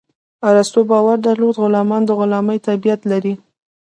ارسطو باور درلود غلامان د غلامي طبیعت لري.